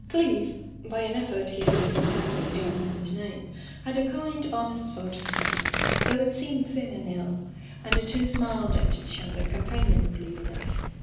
Cleeve — ^by an effort he had disentangled the young man's name — had a kind, honest sort of face, though it seemed thin and ill, and the two smiled at each other companion ably enough.